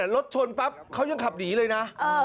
รถชนปั๊บเขายังขับหนีเลยนะ